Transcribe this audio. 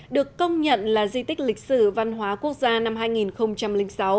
được công nhận là di tích lịch sử văn hóa quốc gia năm hai nghìn sáu